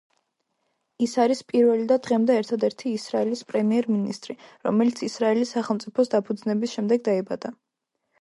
ის არის პირველი და დღემდე ერთადერთი ისრაელის პრემიერ-მინისტრი, რომელიც ისრაელის სახელმწიფოს დაფუძნების შემდეგ დაიბადა.